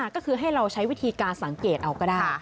ก็คือให้เราใช้วิธีการสังเกตเอาก็ได้